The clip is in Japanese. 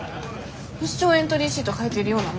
一生エントリーシート書いてるようなもん。